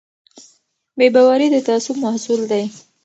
بې باوري د تعصب محصول دی